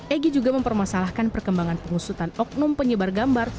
egy juga mempermasalahkan perkembangan pengusutan oknum penyebar gambar